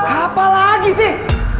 apa lagi sih